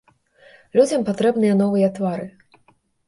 Людзям патрэбныя новыя твары.